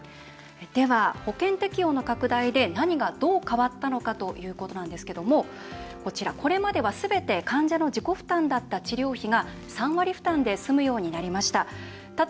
では、保険適用の拡大で何がどう変わったのかということなんですけどもこれまでは、すべて患者の自己負担だった治療費が３割負担で済むようになりました。